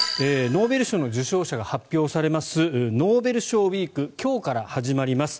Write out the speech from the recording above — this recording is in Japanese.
ノーベル賞の受賞者が発表されますノーベル賞ウィーク今日から始まります。